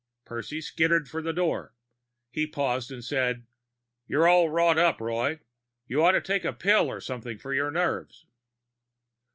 _" Percy skittered for the door. He paused and said, "You're all wrought up, Roy. You ought to take a pill or something for your nerves."